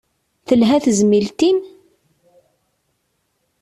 Telha tezmilt-im?